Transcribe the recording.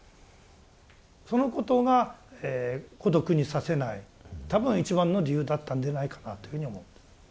そのことが孤独にさせない多分一番の理由だったんでないかなというふうに思ってます。